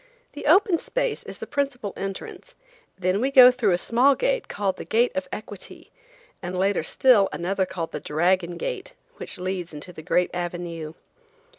The open space is the principal entrance, then we go through a small gate called the gate of Equity, and later still another called the Dragon gate, which leads into the great avenue.